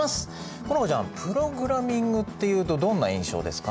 好花ちゃんプログラミングっていうとどんな印象ですか？